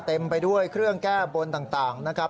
เต็มไปด้วยเครื่องแก้บนต่างนะครับ